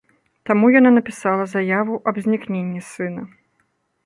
Таму яна напісала заяву аб знікненні сына.